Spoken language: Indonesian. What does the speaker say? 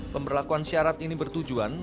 pemberlakuan syarat ini bertujuan